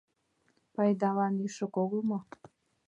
Пайдалан ӱшык огыл мо?